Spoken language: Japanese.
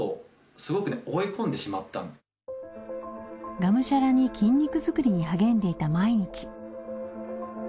がむしゃらに筋肉づくりに励んでいた毎日。